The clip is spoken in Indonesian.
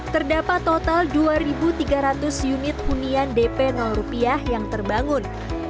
terdapat total dua tiga ratus unit hunian dp rupiah yang terbangun